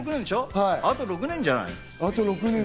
あと６年じゃない。